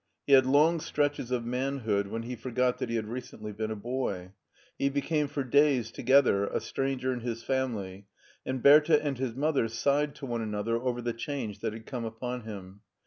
He had long stretches of manhood when he forgot that he had recently been a boy. He became for days together a stranger in his family, and Bertha and his mother sighed to one another over the change that had come upon him.